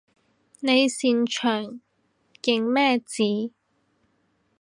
你擅長認咩字？